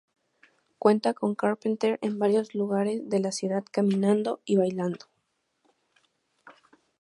Cuenta con Carpenter en varios lugares de la Ciudad caminando y bailando.